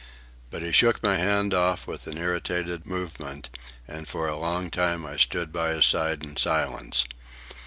But he shook my hand off with an irritated movement, and for a long time I stood by his side in silence.